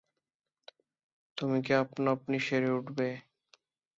তুমি কি আপনা-আপনি সেরে উঠবে?